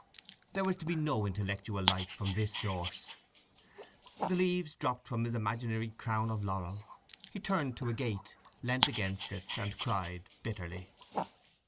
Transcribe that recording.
There was to be no intellectual light from this source. The leaves dropped from his imaginary crown of laurel; he turned to a gate, leant against it, and cried bitterly.